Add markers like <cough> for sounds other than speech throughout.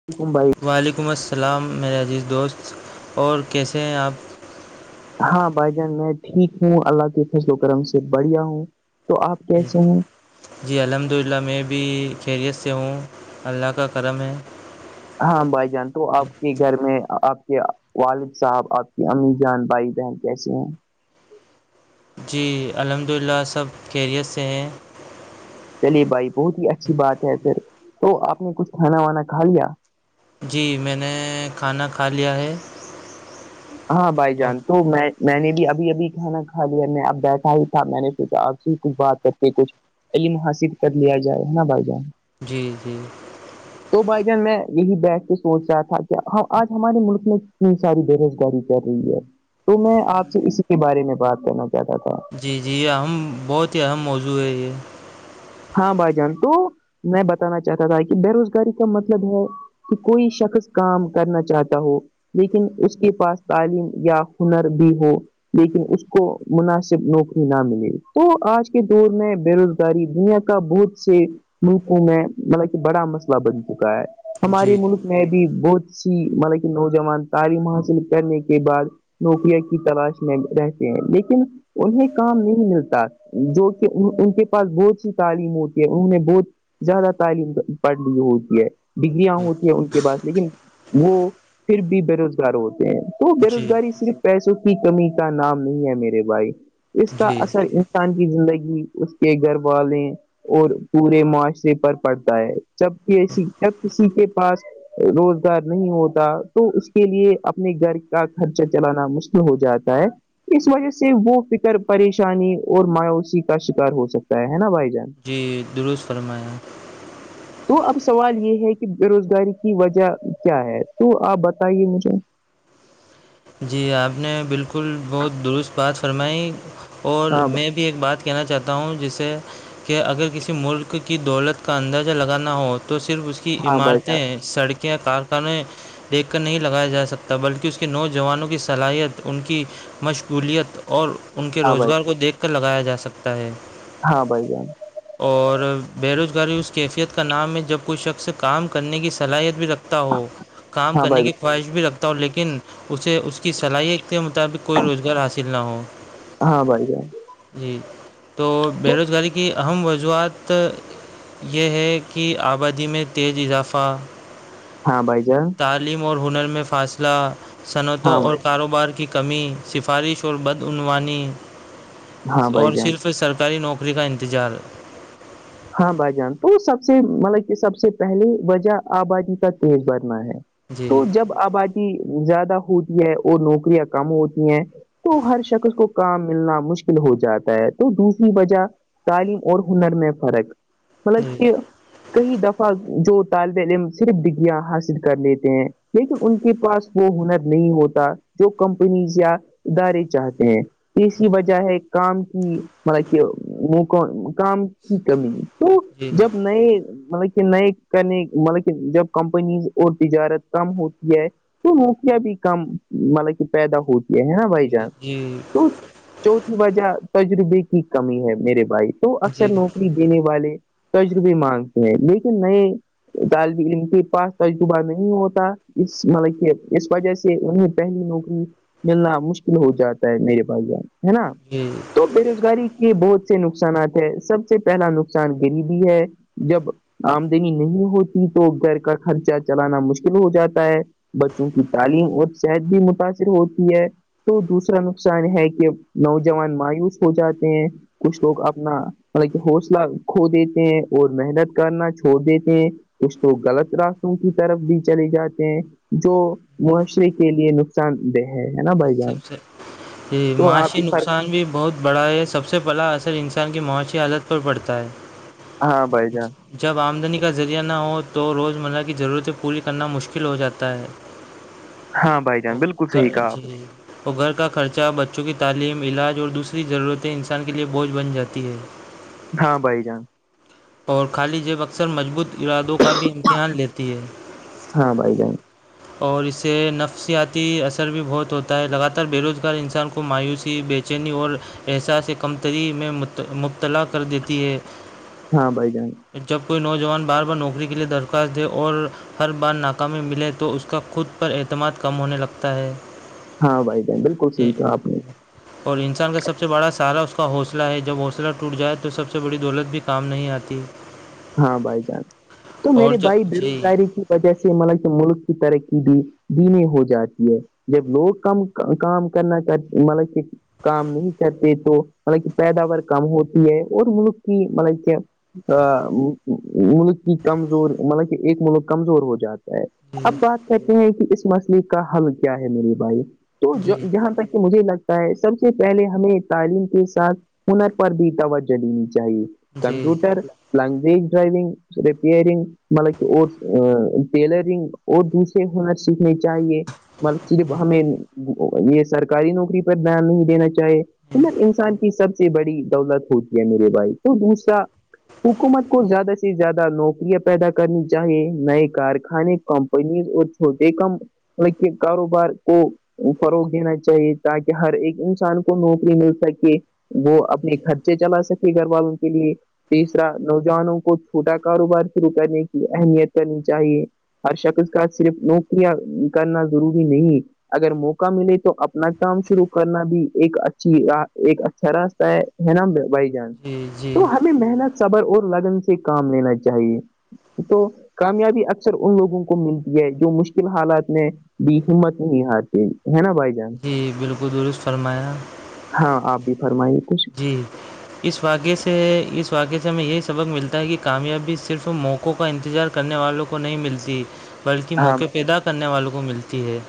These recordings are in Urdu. <unintelligible> وعلیکم السلام میرے عزیز دوست اور کیسے ہیں آپ ہاں بھائی جان میں ٹھیک ہوں اللہ کے فیصل و کرم سے بڑھیا ہوں تو آپ کیسے ہیں جی الحمد للہ میں بھی خیریت سے ہوں اللہ کا کرم ہے ہاں بھائی جان تو آپ کے گھر میں آپ کے والد صاحب آپ کی امی جان بھائی بہن ہاں جی الحمد للہ سب کیریئر سے ہیں چلیے بھائی بہت ہی اچھی بات ہے پھر تو آپ نے کچھ کھانا وانا کھا لیا جی میں نے کھانا کھا لیا ہے ہاں بھائی اور جان تو میں میں نے بھی ابھی ابھی کھانا کھا لیا میں اب بیٹھا ہی تھا میں نے سوھا چھ بات کرتے کچھ علم حاسد کر لیا جائے ہے نا بھائی جان جی جی تو بھائی جان میں یہی بیٹھ کے سوچ رہا تھا کہ آج ہمارے ملک میں کتنی ساری برز کر رہی ہے تو میں آپ سے اسی کے بارے میں بات کرنا چاہتا تھا جی جی یہ اہم بہت ہی اہم موضوع ہے یہ ہاں بھائی جان تو میں بتانا چاہتا تھا کہ بے روزگاری کا مطلب ہے کہ کوئی شخص کام کرنا چاہتا ہو لیکن اس کے پاس تعلیم یا ہنر بھی ہو لیکن اس کو مناسب نوکری نہ ملے تو آج کے دور میں بے روزگاری دنیا کا بہت سے ملکوں میں مطلب کہ بڑا مسئلہ بن چکا ہے ہمارے جی ملک میں بھی بہت سی مطلب کہ نوجوان تعلیم حاصل کرنے کے بعد نوکریا کی تلاش میں رہتے ہیں لیکن انہیں کام نہیں ملتا جو کہ ان کے پاس بہت سی تعلیم ہوتی ہے انہوں نے بہت زیادہ تعلیم پڑھ لی ہوتی ہے ڈگریاں ہوتی ہیں ان کے پاس لیکن وہ پھر بھی بے روزگار ہوتے ہیں تو جی بے جی روزگاری صرف پیسوں کی کمی کا نام نہیں ہے میرے بھائی اس کا جی اثر انسان کی زندگی اس کے گھر والالیں اور پورے معاشرے پر پڑتا ہے جب جب کسی کے پاس روزگار نہیں ہوتا تو اس کے لیے اپنے گھر کا خرچہ چلانا مشکل ہو جاتا ہے اس وجہ سے وہ فکر پریشانی اور مایوسی کا شکار ہو سکتا ہے نا بھائی جان جی درست فرمایا تو اب سوال یہ ہے کہ بے روزگاری کی وجہ کیا ہے تو آپ بتائیے مجھے جی آپ نے بالکل بہت درست بات فرمائی اور ہاں میں بھائی ایک بات کہنا چاہتا ہوں جس سے کہ اگر کسی ملک کی دولت کا اندازہ لگانا ہو تو صرف اس کی ہاں بھائی جان عمارتیں سڑکیں کارخانے دیکھ کر نہیں لگایا جا سکتا بلکہ اس کی نوج جوانوں کی صلاحیت ان کی مشغولیت اور ان کے ہاں بھائی روزگار کو دیکھ کر لگایا جا سکتا ہے ہاں بائی جان اور بےروزگاری اس کیفیت کا نام ہے جب کوھ شخص کام کرنے کی صلاحیت بھی رکھ تتا ہو کام ہاں کرنے بھائی کی خواہش بھی رکھتا ہو لیکن اسے اس کی صلاحیت کے مطابق کوئی روزگار حاصل نہ ہو ہاں بھائی جی تو بے روزگاری کی اہم وضوعات یہ ہے کہ آبادی میں تیز اضافہ ہاں بائی جان تعلیم اور ہنر میں فاصلہ صنعتوں ہاں اور بھائی کاروبار کی کمی سفارش اور بدعنوانی ہاں بھائی اور جان صرف سرکاری نوکری پخری کا انتظار ہاں بھائی جان تو سب سے مطلب کہ سب سے پہلے وجہ آبادی کا تیز بھنا ہے جی تو جب آبادی زیادہ ہوتی ہے اور نوکریاں کم ہوتی ہیں تو ہر شخص اس کو کام ملنا مشکل ہو جاتا ہے تو دوسری وجہ تعلیم اور ہنر میں فرق مطلب جی کہ کئی دفہ جو طالب علم صرف ڈگیا حاصل کر لیتے ہیں لیکن ان کے پاس وہ ہنر نہیں ہوتا جو کمپنیز یا ادارے چاہتے ہیں اس کی وجہ ہے کام کی مطلب کہ کام کی کمی تو جی جب نئے مطلب کہ نئے کرنے مطلب کہ جب کمپنی اور تجارت کم ہوتی ہے تو مکیا بھی کم مطلب کہ پیدا ہوتی یہ ہے نا بھائی جی جان جی تو چوتھی وجہ تجربے کی کمی ہے میرے بھائی تو جی اکثر نوکری دینے والے تجربے مانگتے ہیں لیکن نئے طالب علم کے پاس تجربہ نہیں ہوتا اس مطلب کہ اس وجہ سے انہیں پہلی نوکری ملنا مشکل ہو جاتا ہے میرے بھائی جان ہے نا جی بے روزگاری کے بہت سے نقصانات ہے سب سے پہلا نقصان غریبی ہے جب آمدنی نہیں ہوتی تو گھر کا خرچہ چلانا مشکل ہو جاتا ہے بچوں کی تعلیم اور صحت بھی متاثر ہوتی ہے تو دوسرا نقصان ہے کہ نوجوان مایوس ہو جاتے ہیں کچھ لوگ اپنا مطلب کہ حوصلہ کھو دیتے ہیں اور محنت کرنا چھوڑ دیتے ہیں کچھ توگ غلط راستوں کی طرف بھی چلے جاتے ہیں جو معاشرے کے لیے نس سان دہ ہے نا بھائی جان سب سے یہ تو آپ معاشی ہی فرق نقصان بھی بہت بڑا یہ سب سے بلا اثر انسان کی معاشی حالت پر پڑتا ہے ہاں بھائی جان جب آمدنی کا ذریعہ نہ ہو تو روزمرہ کی ضرورتیں پوری کرنا مشکل ہو جاتا ہے ہاں بھائی جان بالکل اوک صحیح کہا آپ جی اور گھر کا خرچہ بچوں کی تعلیم علاج اور دوسری ضرورتیں انسان کے لیے بوجھ بن جاتی ہے <inaudible> ہاں بھائی جان اور خالی جیب اکثر مضبوط ارادوں کا بھی امتحان لیتی ہے ہاں بائی جان اور اس سے نفسیاتی اثر بھی بہت ہوتا ہے لگاتار بے روزگار انسان کو مایوسی بےچینی اور احساس کمتری میں مبتلا کر دیتی ہے ہاں بائی جان جب کوئی نوجوان بار بار نوکری کے لیے درخواست دے اور ہر بار ناکامی ملے تو اس کا خود پر اعتماد کم ہونے لگتا ہے ہاں بائی بل ہوں اور انسان کا سب سے بڑا سارا اس کا حوصلہ ہے جب حوصلہ ٹوٹ جائے تو سب سے بڑی دولت بھی کام نہیں آتی ہاں ہاں بھائی جان تو میرے بھائی بے جی روزگاری کی جہس مل ملک کی ترقی بھی دنے ہو جاتی ہے جب لوگ کم کام کرنا چاہتے مطلب کہ کام نہیں کرتے تو مطلب کہ پیداوار کم ہوتی ہے اور ملک کی مطلب کیا ہاں ملک کی کمزور مطلب کہ ایک ملک کمزور ہو جاتا ہے جی اب بات کرتے ہیں کہ اس مسئلے کا حل کیا ہے میرے بھائی تو جی جہاں تک کہ مجھے لگتا سب سے پہلے ہمیں تعلیم کے ساتھ ہنر پر بھی توجہ دینی چاہیے جی کمپوٹر لگج ڈرائیگ ریپئرنگ مطل ٹیلرن اور دوسے ہونا سھنے چاہیے صرف جی ہمیں یہ سرکاری نوکری پر دھیان نہیں دینا چاہیے گر انسان کی سب سے بڑی دولت ہوتی ہے میرے بھائی تو دوسرا حکومت کو زیادہ سے زیادہ نوکریاں پیدا کرنی چاہیے نئے کارخانے کم پز اور چھوٹے کم کے کاروبار کو فروغ دینا چاہیے تاکہ ہر ایک انسان کو نوکری مل سکے وہ اپنے خرچے چلا سکے گھر والوں کے لیے رح نوجوانوں کو چھوٹا کاروبار شروع کرنے کی اہمیت کرنی چاہیے ہر شخص کا صرف نوکریاں کرنا ضروری نہیں اگر موقع ملے تو اپنا کام شرو کرنا بھی ایک اچھی ایک اچھا راستہ ہے نا بھائی جان جی جی تو ہمیں محنت صبر اور لگن سے کام لینا چاہیے تو کامیابی اکثر ان لوگوں کو ملتی ہے جو مشکل حالات میں بھی ہمت نہیں ہارتی ہے نا بھائی جان جی بالکل درست فرمایا ہاں آپ بھی فرمائیے تے جی اس واقعے سے اس واقعے سے ہمیں یہ سبق ملتا ہے کہ کامیابی صرف موقع قوں کا انتظار کرنے والوں کو نہیں ملتی بلکہ ہاں موقع بھائی پیدا کرنے والوں کو ملتی ہے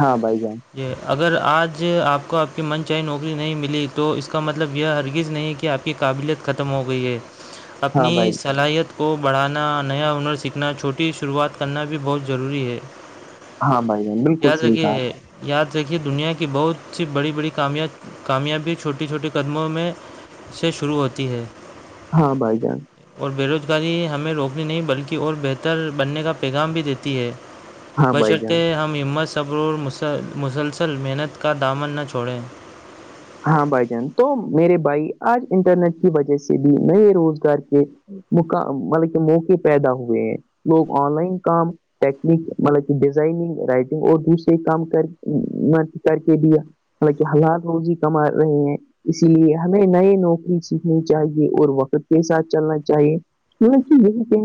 ہاں بائی جان جی اگر آج آپ کو آپ کی من چاہے نوکری نہیں ملی تو اس کا مطلب یہ ہرگز نہیں کہ آپ کی قابلیت ختم ہو گئی ہے ہاں اپنی بھائی صلاحیت کو کو بڑھانا نیا ہنر سیکھنا چھوٹی شروعات کرنا بھی بہت ضروری ہے ہاں بھائی جان بالکل یاد صحیح رھیے کہا یاد رکھیے دنیا کی بہت سی بڑی بڑی کامیابی چھوٹی چھوٹی چھوٹی قدموں میں سے شروع ہوتی ہے ہاں بھائی جان اور بےروزگاری ہمیں روکنی نہیں بلکہ اور بہتر بننے کا پیغام بھی دیتی ہے ہاں بھائی جان بشرتے ہمت صبرور مسلسل محنت کا دامن نہ چھوڑیں ہاں بھائی جان تو میرے بھائی آج انٹرنیٹ کی وجہ سے بھی نئے روزگار کے مق مطلب کہ موقع پیدا ہوئے ہیں لوگ آن لائن کام ٹیکنیک مطلب کہ ڈیزائننگ رائٹنگ اور دوسرے کام کر کر کے بھی مط کہ حالات روز ہی کم آ رہے ہیں اس لیے ہمیں نئے نوکری سیکھنی چاہیے اور وقت کے ساتھ چلنا چاہیے کی یہی کہ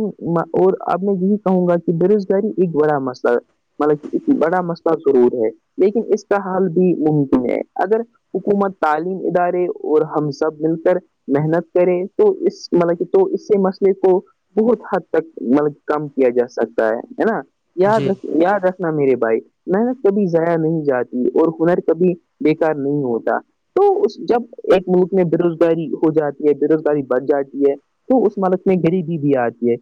اور اب میں یہی کہوں گا کہ بے روزگاری ایک بڑا مسئلہ ہے مطلب بڑا مسئلہ ضرور ہے لیکن اس کا حال بھی ممکن ہے اگر حکومت تعلیم ادارے اور ہم سب مل کر محنت کریں تو اس مطلب کہ تو اس سے مسئلے کو بہت حد تک مطلب کم کیا جا سکتا ہے ہے نا یاد جی ر یاد رکھ میرے بھائی محنت کبھی ضائیا نہیں جاتی اور ہنر کبھی بےیکار نہیں ہوتا تو اس جب ایک ملک میں بے روزگاری ہو جاتی ہے بے روزگاری بڑھ جاتی ہے تو اس مالک میں غریبی بھی آتی ہے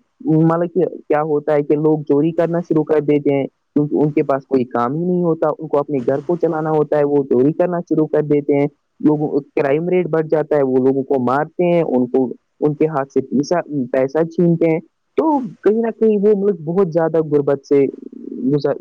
مطلب کہ کیا ہوتا ہے کہ لوگ چوری کرنا شروع کر دیتے ہیں کیونکہ ان کے پاس کوئی کام ہی نہیں ہوتا ان کو اپنے گھر کو چلانا ہوتا ہے وہ چوری کرنا شروع کر دیتے ہیں لوگوں کرائم ریٹ بڑھ جاتا ہے وہ لوگوں کو مارتے ہیں ان کو ان کے ہاتھ سے پیسہ چھینتے ہیں تو کہیں نہ کہیں وہ ملک بہت زیادہ غربت سے گزر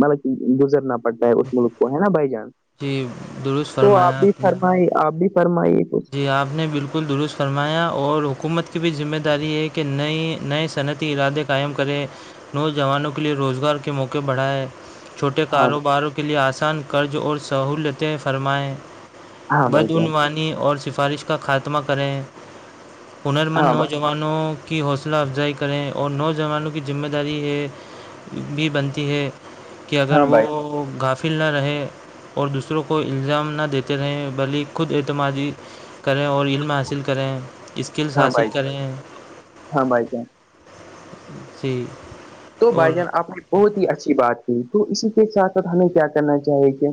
مطلب کہ گزرنا پڑتا ہے اس ملک کو ہے نا بائی جان جی درست تو آپ فرمایا بھی نے فرمائیے آپ بھی فرمائیے کچھ آپ نے بالکل درست فرمایا اور حکومت کی بھی ذمہ داری ہے کہ نئی نئے صنعتی ارادے کو قائم کریں نوجوانوں کے لیے روزگار کے موقع بڑھائیں چھوٹے ہاں کاروباروں کے لئے آسان قرض اور سہولتیں فرمائیں ہاں بھائی جان بدعنوانی اور سفارش کا خاتمہ کریں ہنرمند ہاں بھائی نوجن وانوں کی حوصلہ افزائی کریں اور نوجوانوں کی ذمہ داری ہے بھی بنتی ہے کہ اگر ہاں بھائی وہ گھاپ فل نہ رہے اور دوسروں کو الزام نہ دیتے رہیں بھلی ہی خود اعتمادی کریں اور علم حاصل کریں اسکلس ہاں حاصل بھائی کریں ہاں بھائی جان جی تو اور بھائی جان آپ نے بہت ہی اچھی بات کی تو اسی کے ساتھ ساتھ ہمیں کیا کرنا چاہیے کہ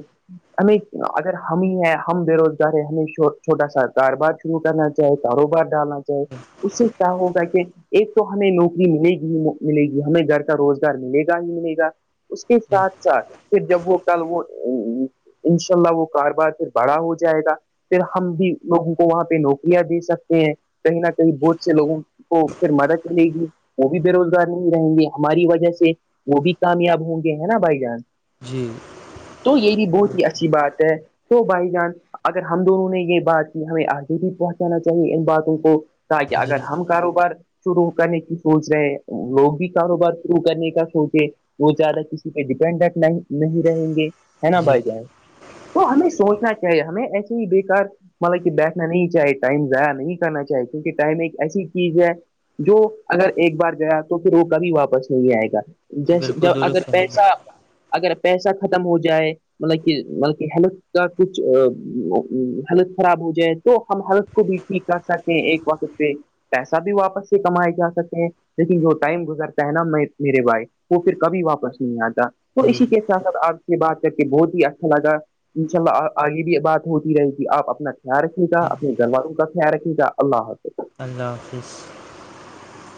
ہمیں اگر ہم ہی ہے ہم بے روزگار ہے ہمیں چھوٹا سا کاروبار شروع کرنا چاہیے چاہے کاروبار ڈالنا چاہے اس سے کیا ہوگا کہ ایک تو ہمیں نوکری ملے گی ہی ملے گی ہمیں گھر کا روزگار ملے گا ہی ملے گا اس کے ساتھ ساتھ پھر جب وہ کل وہ انشاء اللہ وہ کاروبار پھر بڑا ہو جائے گا پھر ہم بھی لوگوں کو وہاں پہ نوکریاں دے سکتے ہیں کہیں نہ کہیں بہت سے لوگوں کو پھر مدد ملے گی وہ بھی بے روزگار نہیں رہیں گے ہماری وجہ سے وہ بھی کامیاب ہوں گے ہیں نا بھائی جان جی تو یہ بھی بہت ہی اچھی بات ہے تو بھائی جان اگر ہم دونوں نے یہ بات کی ہمیں آگے بھی پہنچانا چاہیے ان باتوں کو تاکہ اگر جی ہم کاروبار شروع کرنے کی سوچ رہے ہیں لوگ بھی کاروبار شروع کرنے کا سوچے وہ زیادہ کسی پہ ڈیپینڈنٹ نہیں نہیں رہیں گے ہے نا جی بھائی جان تو ہمیں سوچنا چاہیے ہمیں ایسے ہی بےیکار مطلب کہ بیٹھنا نہیں چاہیے ٹائم ضائع نہیں کرنا چاہیے کیونکہ ٹائم ایک ایسی چیز ہے جو اگر ایک بار گیا تو پھر وہ کبھی واپس نہیں آئے گا جیسے ج بالکل اگر درست فرمایا پیسہ اگر پیسہ ختم ہو جائے مطلب کہ مطلب کہ ہیلتھ کا کچھ ہیلتھ خراب ہو جائے تو ہم ہیلتھ کو بھی کر سکتے ایک وقت پہ پیسہ بھی واپس سے کمائے جا سکتےیں لیکن وہ ٹائم گزر پنا میرے بھائی وہ پھر کبھی واپس نہیں آتا تو جی اسی کے ساتھ ساتھ آج بات کر کے بہت ہی اچھا لگا ان شاء اللہ آگے بھی بات ہوتی رہے گی آپ اپنا خیال رکھ رےا اپ گن والالوں کا خیال رکے گا اللہ حافظ اللہ حافظ